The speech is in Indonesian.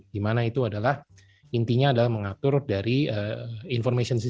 di mana itu adalah intinya adalah mengatur dari information